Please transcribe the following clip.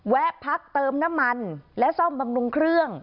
แวะพักเติมน้ำมันและซ่อมบำรุงเครื่อง